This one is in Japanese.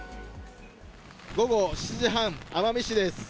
午後７時半、奄美市です。